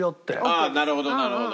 ああなるほどなるほど。